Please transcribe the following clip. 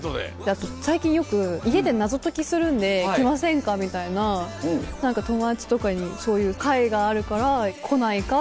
あと最近よく家で謎解きするんで来ませんかみたいな友達とかにそういう会があるから来ないかっていう。